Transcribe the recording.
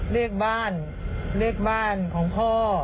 เลขบ้านเลขบ้านของพ่อ